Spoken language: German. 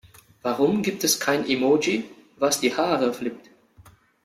Warum gibt es kein Emoji, was die Haare flippt.